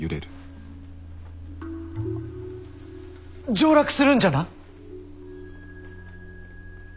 上洛するんじゃな？